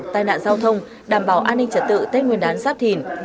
tai nạn giao thông đảm bảo an ninh trật tự tết nguyên đán giáp thìn